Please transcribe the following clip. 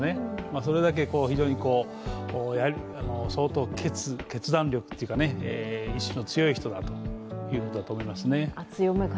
それだけ非常に相当決断力というか意志の強い人だということだと思います。